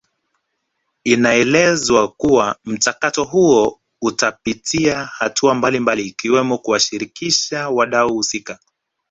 Inaelezwa kuwa mchakato huo utapitia hatua mbalimbali ikiwemo kuwashirikisha wadau husika